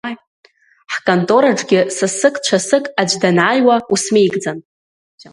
Ҳконтораҿгьы сасык-цәасык аӡә данааиуа, усмеигӡан.